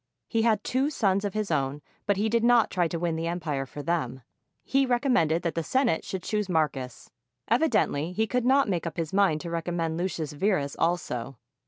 He had two sons of his own, but he did not try to win the empire for them. He recommended that the Senate should choose Marcus. Evidently he could not make up his mind to recommend Lucius Verus also.